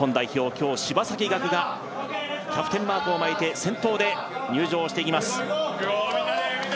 今日、柴崎岳がキャプテンマークを巻いて先頭で入場してきます。